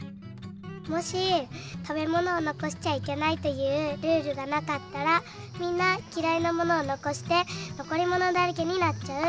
もし「食べものをのこしちゃいけない」っていうルールがなかったらみんなきらいなものをのこしてのこりものだらけになっちゃう。